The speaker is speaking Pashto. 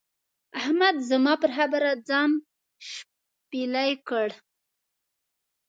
احمد زما پر خبره ځان شپېلی کړ.